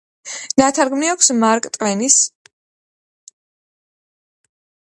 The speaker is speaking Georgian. ნათარგმნი აქვს მარკ ტვენის „იუმორისტული მოთხრობები და პამფლეტები“, მაინ რიდის „ოკეანეში დაკარგული“ და სხვა.